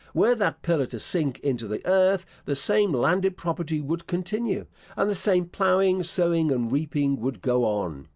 Were that pillar to sink into the earth, the same landed property would continue, and the same ploughing, sowing, and reaping would go on.